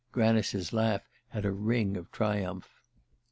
Granice's laugh had a ring of triumph.